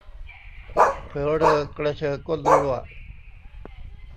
เผอเรอกระเชอก้นรั่ว